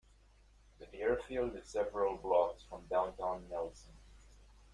The airfield is several blocks from downtown Nelson.